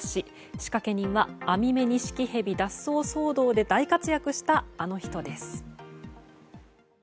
仕掛け人はアミメニシキヘビ脱走騒動で大活躍した、あの人です。